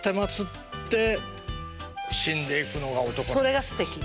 それがすてき。